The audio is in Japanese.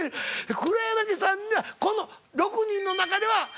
黒柳さんがこの６人の中では。